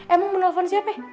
emang mau telepon siapa